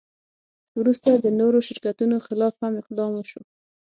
وروسته د نورو شرکتونو خلاف هم اقدام وشو.